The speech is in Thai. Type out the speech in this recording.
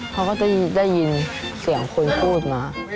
เขาก็ได้ยินเสียงคนพูดมา